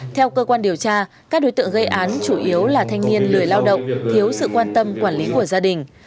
theo cơ quan điều tra các đối tượng gây án chủ yếu là thanh niên lười lao động thiếu sự quan tâm quản lý của gia đình